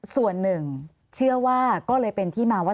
ส่วนหนึ่งเชื่อว่าก็เลยเป็นที่มาว่า